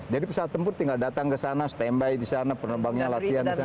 jadi pesawat tempur tinggal datang ke sana standby di sana penerbangnya latihan di sana